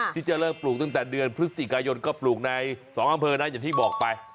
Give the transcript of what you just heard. ที่จะเริ่มปลูกตั้งแต่เดือนพฤศจิกายนก็ปลูกใน๒อำเภอนะอย่างที่บอกไป